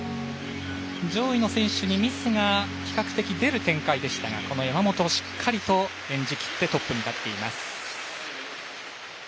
上位の選手にミスが比較的出る展開でしたが山本はしっかりと演じきってトップに立っています。